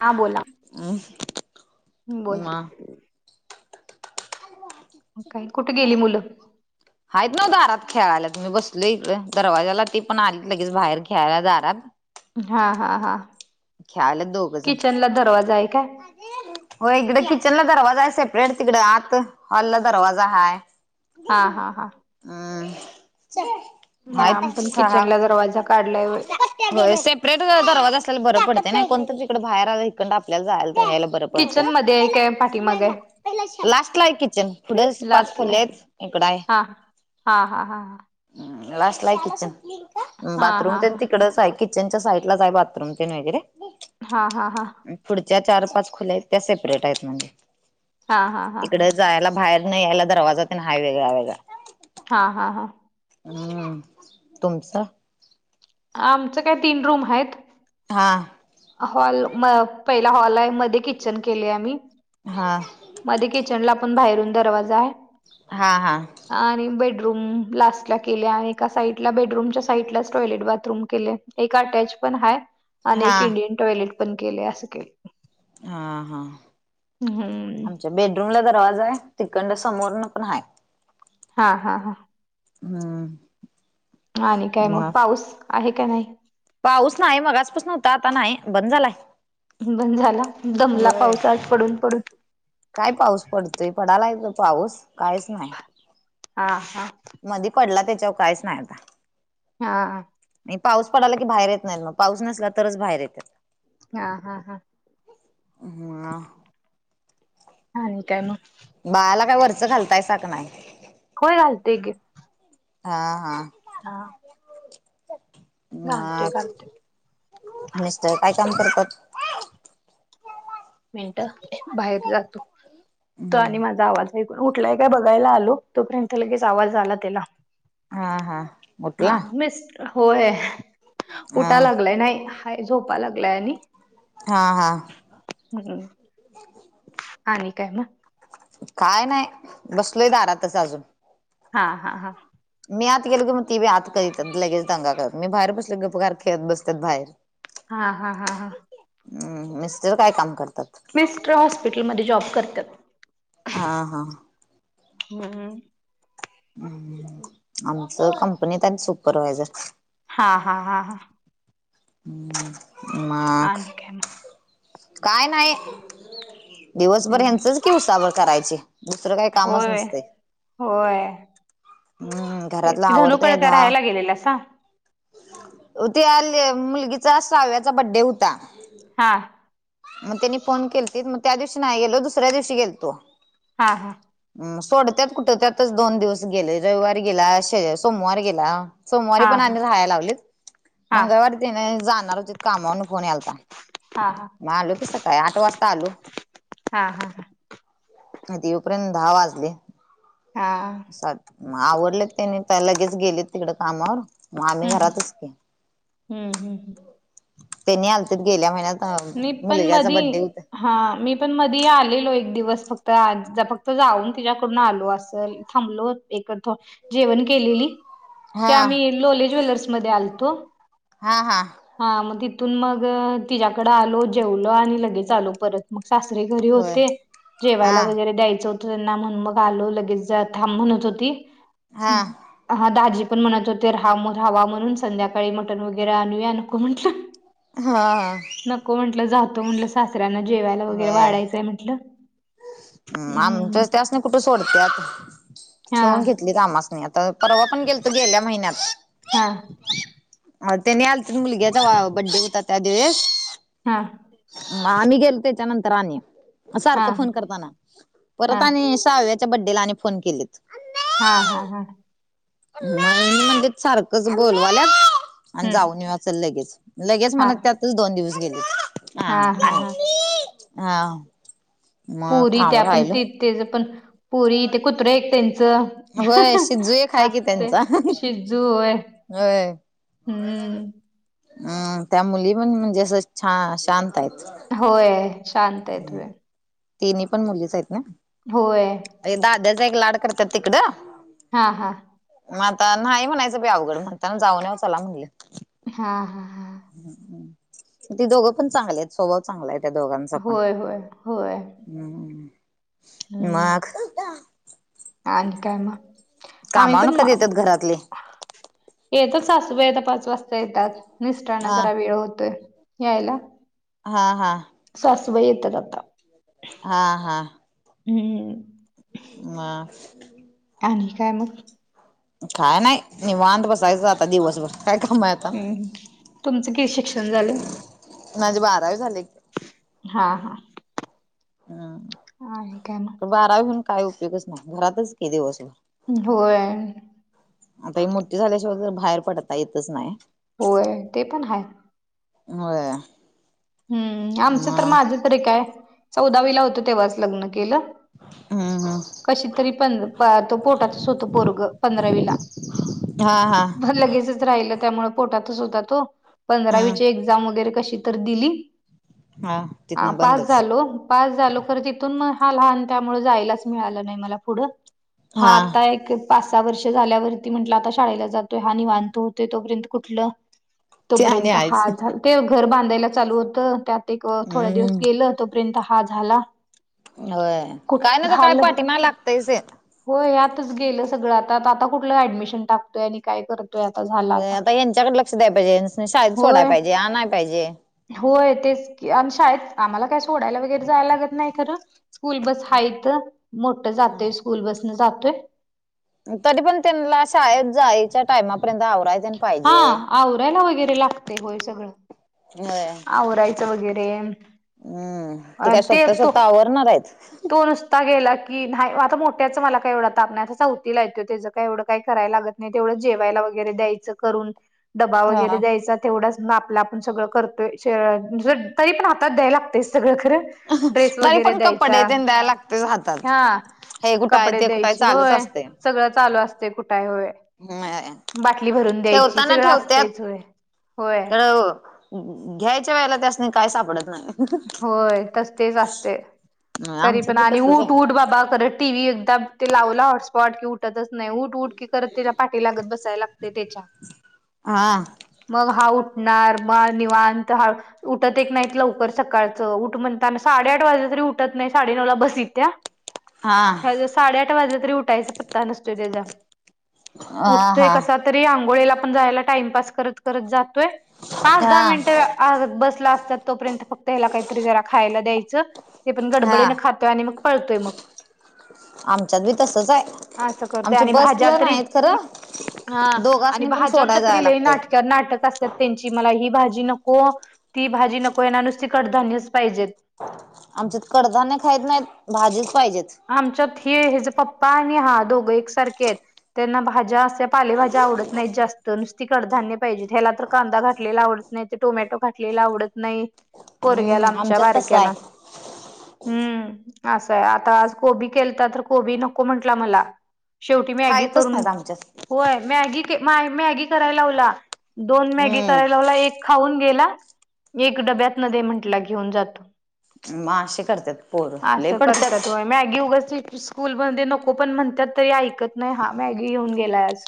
हा बोला अम ह बोला काय कुठे [inaudible] गेली [unintelligible] [inaudible] हायत ना दारात खेळायला तुम्ही बसले इत दरवाजाला ती पण आलीत लगेच बाहेर खेळायला दारात हा हा हा खेळायला किचनला दरवाजा हाय काय [unintelligible] होय इकडं किचन ला दरवाजा हाय सेपरेट तिकड आत-अ हॉल ला दरवाजा हाय आ हा हा हम् चल ना आम्ही पण किचन ला दरवाजा काढलाय व्हय होय सेपरेट दरवाजा असलेल बरं पडतंय नाय कोणतरी पण इकड बाहेर आलं इकडनं आपल्याला जायला पण बरं पडतं किचन मध्ये आहे काय पाठीमाग आहे लास्ट ला आहे किचन पुुढ पाच लास्टला खोल्यायेत. आहे इकडाये हा हा हा हा. लास्ट लाये किचन हा बाथरूम हा तर हा तिकडच आये किचनच्या साईड लाच आय बाथरूम. [unintelligible] हा हा हा पुढच्या चार पाच खोल्याहेत त्या सेपरेट आहेत म्हणजे हा हा हा हा तिकड जायला बाहेर अन् यायला दरवाजा पण आहे वेगळा वेगळा हां हां हां, हम् तुमच? आमच काय तीन रूम हायेत. हा हॉल म पहिला हॉल आहे मधे किचन केलय आम्ही. हा मधे किचन ला पण बाहेरून दरवाजा ये. हा हा आणि बेडरूम लास्ट ला केले आहे एका साइडला बेडरूमच्या साईडलाच टॉयलेट बाथरूम केलय. एक अटॅच पण हाये आणि हा एक इंडियन टॉयलेट पण केले अस केल. हा हा [unintelligible] बेडरूम ला दरवाजा आहे तिकडण समोर न पण हाये हा हा हा हम आणि काय मग पाऊस आहे का नाही? पाऊस नाही मघास पासण व्हता आता नाही बंद झालाय.. बण झाला दमला होय पाऊस आज पडून पडून. काय पाऊस पडतोय पडायला येतो पाऊस काहीच नयी आ हा मधी पडला त्याच्यावर काहीच नाइ आता हा आणि पाऊस पडाला की बाहेर येत नाइ मग पाऊस नसला तरच बाहेर येतात. हा हा हा ह आणि काय मग? बाळाला काही वरच घालताय सा का नाइ होय घालतोय की. हा हा हा घालतोय मग घालतोय मिस्टर काय काम करतात मिनट बाहेर जातो त आणि माझा आवाज कुठलाय काय बघायला आलो तोपर्यंत लगेच आवाज आला त्याला. हा हा हा उठला मिस् होय हा उटा लागलाय नाही. काय झोपा लागलाय आणि. हा हा. हम [inaudible] हा न काय म काय नयी बसलो दारातच अजून. हा हा हा मी आत गेली मग ती बी आत करीत लगेच दंगा करत मी बाहेर बसले गप गार खेळत बसतात बाहेर हा हा हा हा हम्म मिस्टर काय काम करतात? मिस्टर हॉस्पिटलमध्ये जॉब करतात. हा हा हम्म ह् आमचं कंपनी त हायत सुपरवायझर. हा हा हा हा ह माघ आणि काय मग काय नाही दिवसभर हम्म यांचंच कि उसाभर करायची. दुसरं काही कामच होय नसते होय. हम्म तेच घरातला कि आवरतय धनुकड का दहा राहायला गेलेलं सा? ते आज मुलगीचा साहाव्याचा बड्डे होता हा मग त्यांनी फोन केलीतीत मग त्या दिवशी नाही गेलो दुसऱ्या दिवशी गेलतो. हा हा हम सोडत्यात कुठं त्यातच दोन दिवस गेले रविवार गेला स सोमवार गेला. सोमवारी हा पण हा आनी राहायला लावलित. हा मंगळवारी तेनी जाणार होते कामावरन फोन यालता. हा मग आलो कि सकाळी आठ वाजता आलो. हा हा हा इथ यूपर्यंत दहा वाजले. हां चालतय आवडले त्यानी त्या लगेच गेले तिकड कामावर. मग आम्ही हम्म हम्म घरातच के हम्म हम्म त्यांनी आलत गेल्या महिन्यात. अ मी पण मुलग्याचा मधी बड्डे होत. हा मी पण मधी आलेलो एक दिवस फक्त फक्त जाऊन तिच्याकडून आलो असल. थांबलो एकतो जेवण केलेली ते हा आम्ही लोले ज्वेलर्समध्येध्ये आलतो. हा हा. हा मग तिथून मग तिच्या्याकडे आलो जेवल आणि लगेच आलो परत. मग सासरे घरी होय होते हा जेवायला वगैरे द्यायचं हो त्यांना म्हण मग आलो लगेच थांब म्हणत होती हा हा दाजी पण म्हणत होते राहा राहावा म्हणून संध्याकाळी मटन वगैरे आणूया नको म्हंटलं. हा. नको म्हटलं जातो म्हटलं सासऱ्यांना जेवायला वगैरे वाढायचंय म्हंटलं. हम हम्म आमच्या त्यास नाही कुठे सोडते आत हा ठेवून घेत- काम अस नाही आता परवा पण गेल तू गेल्या महिन्यात. हा. अ तेनी आलत मुलग्याचा बड्डे होता त्या दिवस. हां. आम्ही गेलो त्याच्या नंतर आणि हा सारखं फोन करताना, हा परत आणि श्राव्याच्या बड्डेला आणि फोन केलेत. हा. हा. हा. नाही म्हणजे, सारखंच बोलवाल्यात. आणि हम्म जाऊन येवूया चलं लगेच, लगेच हा म्हणत त्यातच दोन दिवस गेले. हा आणि हा मग थांब राहिल. तेच पण पोरी ते कुत्रे एक त्यांचं. होय शिजु एक हाय कि असते त्यांचा शिजू होय. हम्म अम् त्या मुली पण म्हणजे असं छान शांत आहेत. होय शांत आहेत होय. तिन पण मुलीच आहेत ना? होय. ऐ दादयाच एक लाड करतेत तिकडं. हा.. हा. मग आता नाही म्हणायचं बी अवघड, म्हणताना जाऊन येवू चला म्हणलं. हा.. हा.. हा. ते दोघं पण चांगले आहेत. स्वभाव चांगला आहे त्या दोघांचापण. होय होय होय हम्म्. हम्म मग. आणि काय मग? आम्ही कामावरून पण कधी म- येतातं घरातले? येतात सासूबाई आता पाच वाजता येतात, मिस्टरांना हा जरा वेळ होतोय यायला. हा.. हा. सासूबाई येतात आता. हा.. हा. हम्म्. माग? आणि काय मग? काय नाही. निवांत बसायचं, आता दिवसभर काय काम आहे. आता हम्म्. तुमचं किती शिक्षण झालं? माझी बारावी झाली की. हा.. हा. हम्म. आणि काय मग बारावी होऊन काय उपयोगच नाही घरातंच क दिवसभर होय. आता ही मोठी झाल्याशिवाय खरं, बाहेर पडता येतच नाही. होय, ते पण आहे. होय. हम्म्.. आमचं तर, मग माझं तरी काय. चौदावीला होतो, तेव्हाच लग्न केलं. हम्म्. कशी तरी पंध तो पोटातच होतं पोरगं, पंधरावीला. हा.. हा. राहीलं. त्यामुळे, पोटातच होता तो. हम्म पंधरावीची एक्झाम वगैरे कशी तर दिली. हा हा, तिथनं पास बंदच झालो. पास झालो खरं, तिथून मग हा लहान. त्यामुळं, जायलाच मिळालं नाही मला पुढं. हा, आता एक पाच-सहा वर्ष झाल्यावरती म्हटलं, आता शाळेला जातोय हा. निवांत होतंय, तोपर्यंत कुठलं? ते आणि तोपर्यंत हा आहेच झाला, ते घर बांधायला चालू होतं त्यात. एक, थोडे दिवस हम्म गेलं. तोपर्यंत, हा झाला. होय. काय ना कायतरी पाठीमागं लागतंयच ते. हो, ह्यातंच गेलं सगळं आता. आता कुठलं ऍडमिशन टाकतोय आणि काय करत होय, आता ह्यांच्याकडे लक्ष द्यायला पाहिजे. शाळेत सोडायला होय पाहिजे, आणायला पाहिजे. होय तेच की आम शाळेत आम्हाला काय सोडायला वगैरे जायला लागत नाही खरं स्कूल बस हाय तर मोठ जातोय स्कूल बसन जातोय तरी पण त्यांना ला शाळेत जायच्या टाईमापर्यंत आवरायचं हा आवरायला वगैरे लागते होय सगळं होय. आवरायचं वगैरे. हम्म.. ते अ काय, स्वतःचं तो स्वतः आवरणार आहेत? तो नुसता गेला की, नाही आता मोठ्याचं मला काय एवढा ताप नाही. आता चौथीला आहे तो. त्याचं काय एवढं काय करायला लागत नाही, तेवढंच जेवायला वगैरे द्यायचं करून. डबा वगैरे हा द्यायचा तेवढंच, मग आपलं-आपण सगळं करतोय. तरी पण हातात द्याय लागतंयच सगळं, खरं. ड्रेस तरी वगैरे पण कपडे द्यायचा द्याय लागाते हातात हा हे कुठं आहे कपडे ते कुठं आहे द्यायचे चालूच होय असतंय. सगळं चालू असते कुठय होय होय बाटली भरून द्यायची सगळं असतंयच होय होय तर ओ घ्यायच्या वेळेला त्यासनी काही सापडत नाही होय तसतेच असतेय तरी आमच्यात पण बी आणि तसच ऊट आहे. ऊट बाबा खरं टी व्ही तब ते लावलं हॉटस्पॉट कि ऊट उटतच नाही उट उट की करत तिला पाठी लागत बसायला लागते त्याच्या हा मग हा उठणार मग निवांता हा उठत एक नाहीत लवकर सकाळचं उठ म्हणता साडे आठ वाजले तरी उठत नाही साडे नऊ ला बसयेत्याआ हा साडे आठ वाजला तरी उठायचा पत्ता नसतोय त्याचा हा उटतोय हा कसा तरी आंघोळीला पण जायला टाईमपास करत करत जातोय पाच दहा मिनट हा आग बसला असतात तोपर्यंत फक्त ह्याला काहीतरी जरा खायला द्यायचं ते पण हा गडबडीने खात खातोआणि मग पळतोय मग आमचा बी तसच आहे असं करतोय आमची आणि बस भाज्या पण तरी आहेत खरं हा आणि दोघासनी पण भाज्यांच्या सोडाय जायला तरी लैई लागतंय. नाटक नाटक असतात त्यांची मला ही भाजी नको ती भाजी नको येला नुसती कडधान्यच पाहिजेत आमचत कडधान्य खायत नाहीत भाजीच पाहिजेत आमच्यात हे ह्याचे पप्पा आणि हा दोघं एकसारखे आहेत त्यांना भाज्या अस्या पालेभाज्या आवडत नाहीत जास्त नुसती कडधान्य पाहिजे ह्याला तर कांदा घातलेला आवडतो नाही तर टोमॅटो घातलेला आवडत नाही हम्म पोरग्याला आमच्या आमच्यात तसं आहे बारक्याला हम्म असंय आता आज कोबी केलता तर कोबी नको म्हंटला मला शेवटी मॅगी खायतच करून नाहीत आमच्यात होय. मॅगी मॅगी करायला लावला. दोन मॅगी करायला हम्म लावला. एक- खाऊन गेला. एक डब्यातन दे म्हंटला घेऊन जातो. मा अशे करतात पोर. लई असं करतात पडत्यात- होय मॅगी उगचीच स्कूलमध्ये नको पण म्हणतात तरी, ऐकत नाही हा. मॅगी घेऊन गेलाय आज.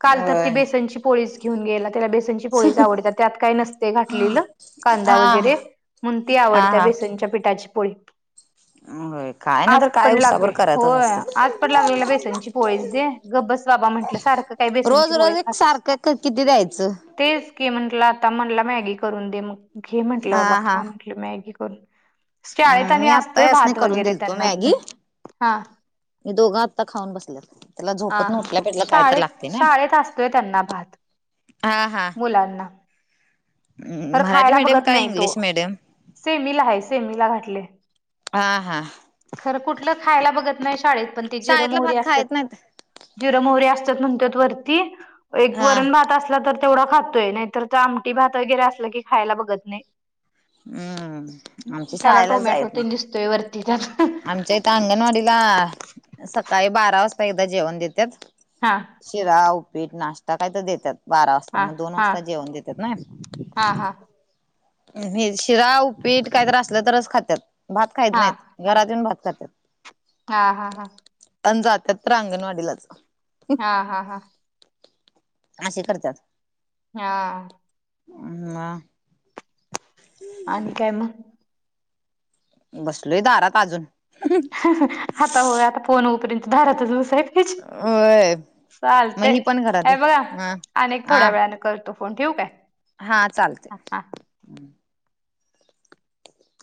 काल तर ती होय बेसनची पोळीच घेऊन गेला. त्याला बेसनची- पोळीच आवडते. त्यात काही नसतए घातलेलं. कांदा हा वगैरे. म्हणून ती हा आवडत्या बेसनच्या पिठाची पोळी. होए. काय नाही तर काय उसाभर करायचच असत्यात. म्हणाय लागला बेसनची पोळीच दे. गप बस बाबा म्हटलं सारख- रोज रोज एक सारखं किती द्यायचं? तेच की. म्हंटलं आता म्हटलं मॅगी करून दे. मग घे म्हंटलं हा बाबा हा खा म. म्हटलं मॅगी कर. शाळेत हम् आणि मी आत्ता असतय यासनी भात करून वैगेरे दिलतो त्यांना. मॅगी हा. मी दोघं आत्ता खाऊन बसल्यात त्याला आ. झोपत न हां. उठल्या पेटल्या काय तर शाळेत लागते ना शाळेत असतोय त्यांना भात. हा हा. मुलांना. खरं मराठी खायला मीडियम बघत का नाही तो इंग्लिश मीडियम? सेमीला आहे. सेमीला घातलंय. हां हां. खरं कुठलं खायला बघत नाही शाळेत. पण ते जिर शाळेतला मोहरी भात असत- खायत नाहीत जिर मोहरी असतात म्हणतेत वरती. एक हा वरण भात असला तर- तेवढ खातोय. नाहीतर ते आमटी भात वगैरे असलं की खायला बघत नाही. हम्म. आमचे शाळेलाच जायत नाही. तो वरती जातो. आमच्या इथं अंगणवाडीला आ सकाळी बारा वाजता एकदा जेवण देतात. हां. शिरा, उप्पीट नाश्ता काही तर देतात बारा वाजता. मग दोन वाजता जेवण देतात ना? हां हां. हे शिरा, उप्पीट काहीतरी असलं तरच खातात. भात खायत हा नाहीत घरात येऊन भात खातात. हा हा हा. अ जात्यात तर अंगणवाडीलाच. हा हा हा. अस करतात. हा. ह आणि काय मग? बसलोय दारात अजून. आता होय. आता फोन होउपर्यन्त दारातच. होय मग चालत. ही पण घरात येत बघा हा आणिक हा थोड्या वेळान. करतो फोन. ठेवू काय? हा. चालतय. हा हा.